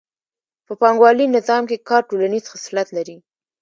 په پانګوالي نظام کې کار ټولنیز خصلت لري